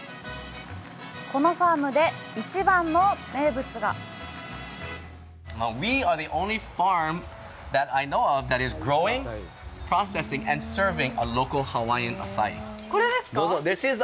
このファームで一番の名物がこれですか？